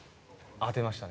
当てましたね。